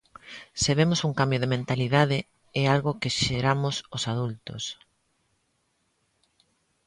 Se vemos un cambio de mentalidade é algo que xeramos os adultos.